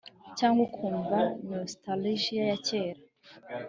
cyangwa ukumva nostalgia ya kera